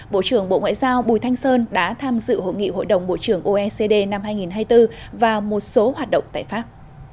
bộ trưởng bộ ngoại giao bùi thanh sơn đã tham dự hội nghị hội đồng bộ trưởng oecd năm hai nghìn hai mươi bốn và một số hoạt động tại pháp